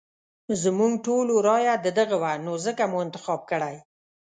زموږ ټولو رايه ددغه وه نو ځکه مو انتخاب کړی.